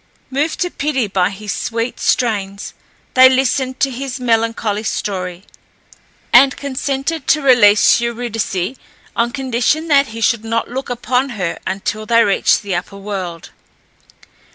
Moved to pity by his sweet strains, they listened to his melancholy story, and consented to release Eurydice on condition that he should not look upon her until they reached the upper world.